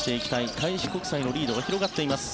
開志国際のリードが広がっています。